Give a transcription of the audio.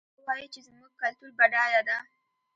هغه وایي چې زموږ کلتور بډایه ده